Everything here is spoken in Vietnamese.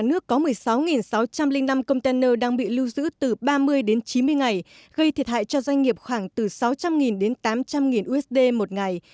nước có một mươi sáu sáu trăm linh năm container đang bị lưu giữ từ ba mươi đến chín mươi ngày gây thiệt hại cho doanh nghiệp khoảng từ sáu trăm linh đến tám trăm linh usd một ngày